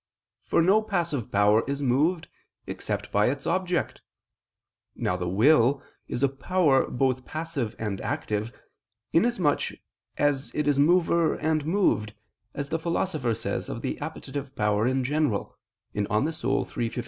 For no passive power is moved except by its object. Now the will is a power both passive and active, inasmuch as it is mover and moved, as the Philosopher says of the appetitive power in general (De Anima iii, text.